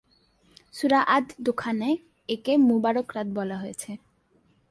সূরা আদ-দোখানে একে মুবারক রাত বলা হয়েছে।